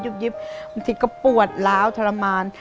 บางทีก็ปวดล้าวทรมาน